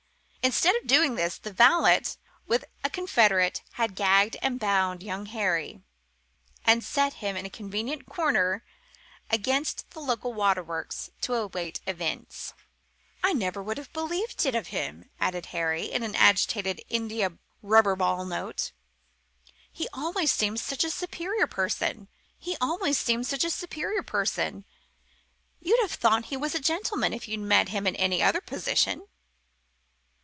Instead of doing this, the valet, with a confederate, had gagged and bound young Harry, and set him in a convenient corner against the local waterworks to await events. "I never would have believed it of him," added Harry, in an agitated india rubber ball note, "he always seemed such a superior person, you'd have thought he was a gentleman if you'd met him in any other position."